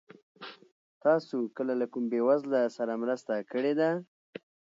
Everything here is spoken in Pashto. تاسو کله له کوم بېوزله سره مرسته کړې ده؟